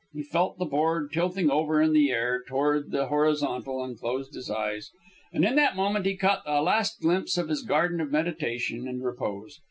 He felt the board tilting over in the air toward the horizontal, and closed his eyes. And in that moment he caught a last glimpse of his garden of meditation and repose.